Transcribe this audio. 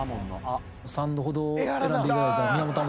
三度ほど選んでいただいた宮本亞